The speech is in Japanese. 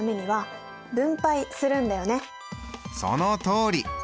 そのとおり。